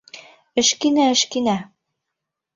— Эшкинә-эшкинә.